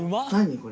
これ。